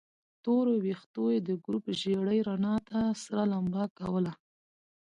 تورو ويښتو يې د ګروپ ژېړې رڼا ته سره لمبه کوله.